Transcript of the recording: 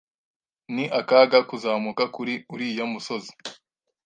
Ni akaga kuzamuka kuri uriya musozi.